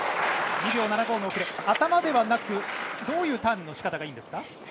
頭ではなくどういうターンのしかたがいいんですか。